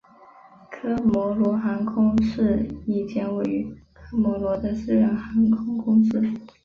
科摩罗航空是一间位于科摩罗的私人航空公司。